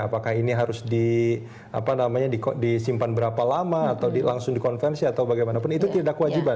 apakah ini harus disimpan berapa lama atau langsung dikonvensi atau bagaimanapun itu tidak kewajiban